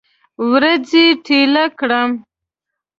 ورځې ټیله کړم